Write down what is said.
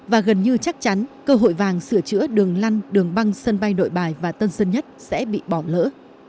và gần như chắc chắn cơ hội vàng sửa chữa đường lăn đường băng sân bay nội bài và tân sơn nhất sẽ bị bỏ lỡ